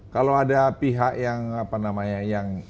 kalau ada pihak yang apa namanya yang